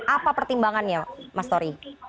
apa pertimbangannya mas tori